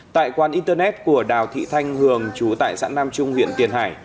tại quan internet của đào thị thanh hường chú tại sản nam trung huyện tiền hải